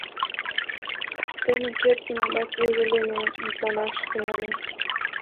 Кастене Кердин адак вуйжо дене мутланаш тӱҥалын.